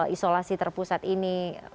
isolasi terpusat ini